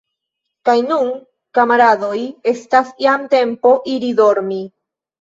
Kaj nun, kamaradoj, estas jam tempo iri dormi.